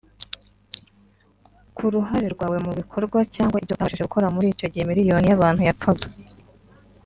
ku ruhare rwawe mu bikorwa cyangwa ibyo utabashije gukora muri icyo gihe miliyoni y’abantu yapfaga